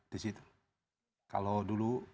di situ kalau dulu